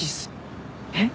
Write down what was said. えっ？